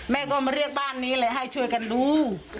แม่ก็มาเรียกบ้านนี้เลยให้ช่วยกันดู